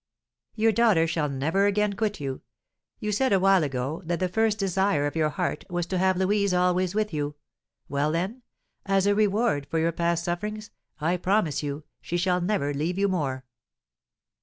"Your daughter shall never again quit you. You said, awhile ago, that the first desire of your heart was to have Louise always with you. Well then, as a reward for your past sufferings, I promise you she shall never leave you more."